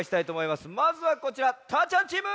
まずはこちらたーちゃんチーム！